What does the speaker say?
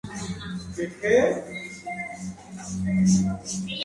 Brinda igualdad de condiciones, de materiales y de equipamiento para todos los estudiantes.